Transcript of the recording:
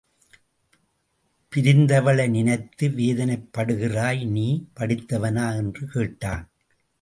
பிரிந்தவளை நினைத்து வேதனைப்படுகிறாய் நீ படித்தவனா என்று கேட்டான்.